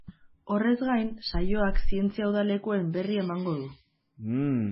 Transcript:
Horrez gain, saioak zientzia udalekuen berri emango du.